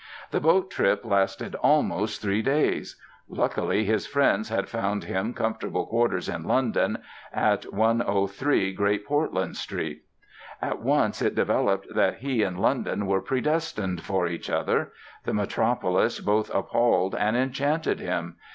The boat trip lasted almost three days! Luckily his friends had found him comfortable quarters in London, at 103 Great Portland Street. At once it developed that he and London were predestined for each other. The metropolis both appalled and enchanted him.